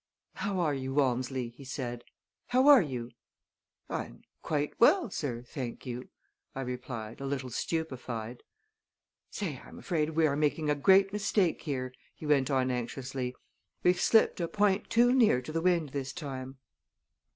"How are you, Walmsley?" he said. "How are you?" "I am quite well, sir, thank you," I replied, a little stupefied. "Say, I'm afraid we are making a great mistake here," he went on anxiously. "We've slipped a point too near to the wind this time."